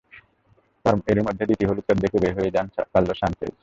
এরই মধ্যে দ্বিতীয় হলুদ কার্ড দেখে বের হয়ে যান কার্লোস সানচেজ।